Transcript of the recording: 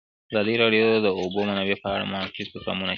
ازادي راډیو د د اوبو منابع په اړه د معارفې پروګرامونه چلولي.